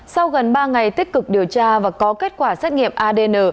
sau gần ba ngày tích cực điều tra và có kết quả xét nghiệm adn